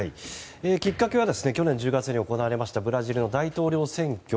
きっかけは去年１０月に行われましたブラジルの大統領選挙。